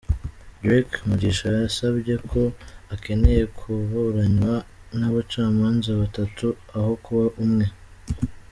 Drake Mugisha yasabye ko akeneye kuburanywa n’abacamanza batatu aho kuba umwe.